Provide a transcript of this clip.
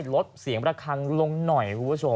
จะลดเสียงระครั้งลงหน่อย